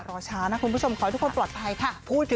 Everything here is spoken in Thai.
รอช้านะคุณผู้ชมขอให้ทุกคนปลอดภัยค่ะ